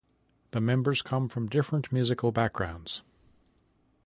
The members come from different musical backgrounds.